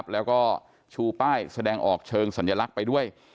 แล้วก็ชูป้ายแสดงออกเชิงสัญลักษณ์ไปด้วย